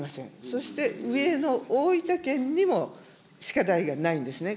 そして上の大分県にも歯科大がないんですね。